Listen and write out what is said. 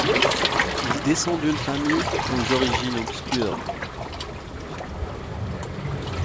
Il descend d’une famille aux origines obscures.